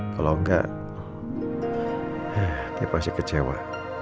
kalau enggak dia pasti kecewa